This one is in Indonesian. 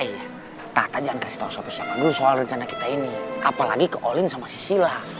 eh iya tata jangan kasih tau sobat siapa dulu soal rencana kita ini apalagi ke olin sama si sila